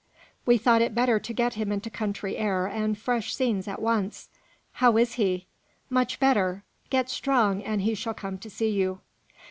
"We thought it better to get him into country air and fresh scenes at once." "How is he?" "Much better. Get strong, and he shall come to see you."